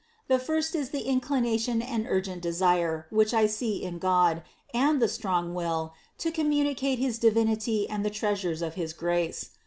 The first is the inclination and urgent desire, which I see in God, and the strong will, to communicate his Divinity and the treasures of his grace.